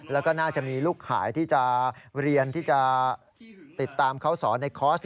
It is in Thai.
แล้วก็น่าจะมีลูกขายที่จะเรียนที่จะติดตามเขาสอนในคอร์ส